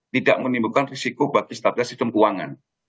tidak menimbulkan risiko bagi stabilitas sistem keuangan